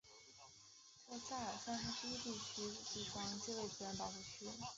特塞尔三分之一左右地方皆为自然保护区。